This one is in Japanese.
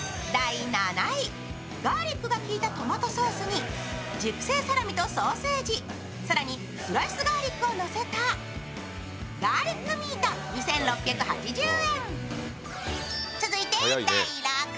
ガーリックが効いたトマトソースに熟成サラミとソーセージ、更にスライスガーリックをのせたガーリックミート２６８０円。